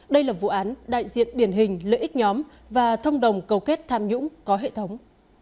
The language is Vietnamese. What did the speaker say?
đây là vụ án đại diện điển hình lợi ích nhóm và thông đồng cầu kết tham nhũng có hệ thống